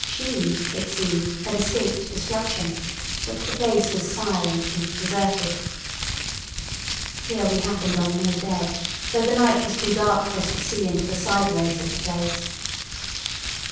Sheen, it seemed, had escaped destruction, but the place was silent and deserted. Here we happened on no dead, though the night was too dark for us to see into the side roads of the place.